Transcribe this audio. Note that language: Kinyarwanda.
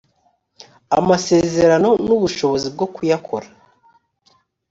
amasezerano n ubushobozi bwo kuyakora